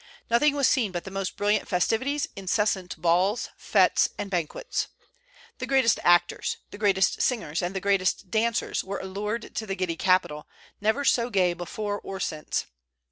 Nothing was seen but the most brilliant festivities, incessant balls, fêtes, and banquets. The greatest actors, the greatest singers, and the greatest dancers were allured to the giddy capital, never so gay before or since.